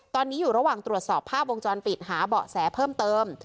ตอนนี้อยู่ระหว่างตรวจสอบภาพวงจรปิดหาเบาะแสเพิ่มเติม